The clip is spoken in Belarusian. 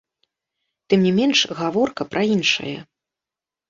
Тым не менш, гаворка пра іншае.